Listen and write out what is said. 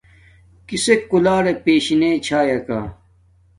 کِیسݵک کُلݳرݺ پݵشِنݺ چݵکݳ؟